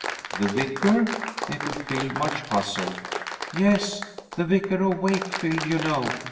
"The vicar," echoed Phil, much puzzled. "Yes, the Vicar of Wakefield, you know.